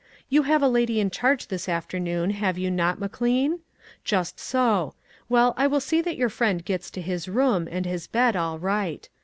You have a lady in charge this afternoon, have you not, McLean? Just so. Well, I will see that your friend gets to his room and his bed all right.